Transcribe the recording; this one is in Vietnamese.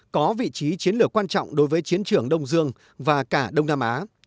có vị trí chiến lược quan trọng đối với chiến trường đông dương và cả đông nam á